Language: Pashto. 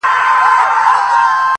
غلطۍ کي مي د خپل حسن بازار مات کړی دی؛